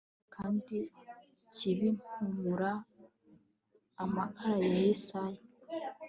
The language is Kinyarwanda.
Ariko cyera kandi kibi mpumura amakara ya Yesaya